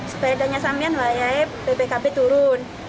sepedanya samian layai bpkp turun